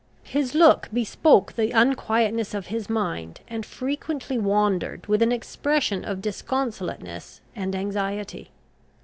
His look bespoke the unquietness of his mind, and frequently wandered with an expression of disconsolateness and anxiety.